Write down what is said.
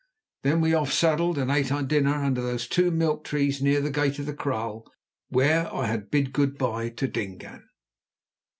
Then we off saddled and ate our dinner under those two milk trees near the gate of the kraal where I had bid good bye to Dingaan.